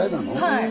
はい。